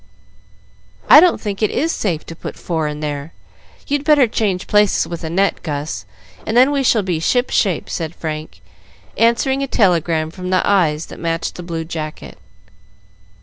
"I don't think it is safe to put four in there. You'd better change places with Annette, Gus, and then we shall be ship shape," said Frank, answering a telegram from the eyes that matched the blue jacket.